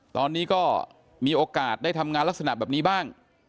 ตอนนี้ก็มีโอกาสได้ทำงานลักษณะแบบนี้บ้าง